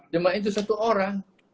cuma itu satu orang